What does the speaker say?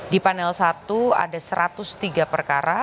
di panel satu ada satu ratus tiga perkara